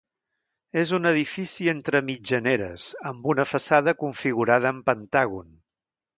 És un edifici entre mitjaneres, amb una façana configurada en pentàgon.